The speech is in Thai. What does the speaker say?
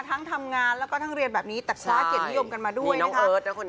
ทั้งทำงานแล้วก็ทั้งเรียนแบบนี้แต่คว้าเกียรตินิยมกันมาด้วยนะคะ